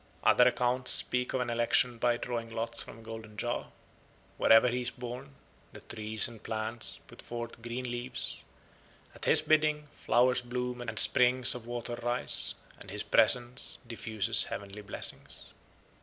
Other accounts speak of an election by drawing lots from a golden jar. Wherever he is born, the trees and plants put forth green leaves; at his bidding flowers bloom and springs of water rise; and his presence diffuses heavenly blessings.